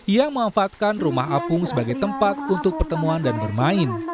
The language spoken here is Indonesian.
yang memanfaatkan rumah apung sebagai tempat untuk pertemuan dan bermain